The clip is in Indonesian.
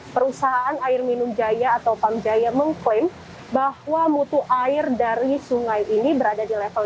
perusahaan air minum jaya atau pamjaya mengklaim bahwa mutu air dari sungai ini berada di level tiga